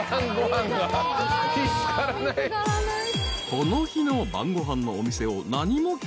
［この日の］